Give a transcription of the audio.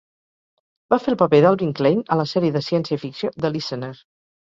Va fer el paper d'Alvin Klein a la sèrie de ciència-ficció "The Listener".